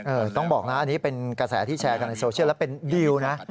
ต้องบอกนะอันนี้เป็นกระแสที่แชร์กันในโซเชียลแล้วเป็นดีลนะ